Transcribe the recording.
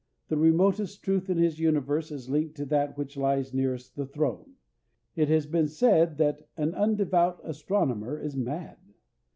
The remotest truth in his universe is linked to that which lies nearest the throne. It has been said that "an undevout astronomer is mad."